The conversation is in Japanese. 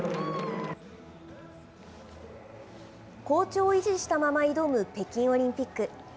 好調を維持したまま挑む北京オリンピック。